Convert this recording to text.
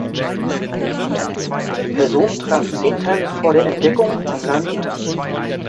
Die Person traf zehn Tage vor der Entdeckung im Land ein.